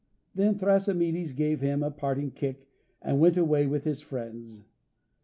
Then Thrasymedes gave him a parting kick, and went away with his friends.